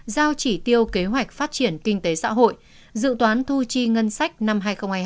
giao chỉ tiêu kế hoạch phát triển kinh tế xã hội dự toán thu chi ngân sách năm hai nghìn hai mươi hai